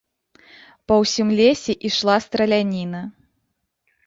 Па ўсім лесе ішла страляніна.